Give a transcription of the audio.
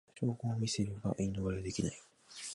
証拠を見せれば言い逃れはできまい